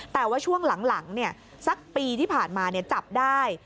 แต่ว่าช่วงหลังสักปีที่ผ่านมาจับได้